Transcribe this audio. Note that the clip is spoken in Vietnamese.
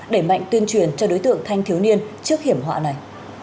để mạnh tuyên truyền cho đối tượng thanh thiếu niên trước hiểm họa này